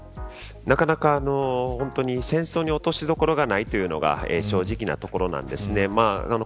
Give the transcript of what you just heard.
なかなか、本当に戦争に落としどころがないというのが正直なところなんです。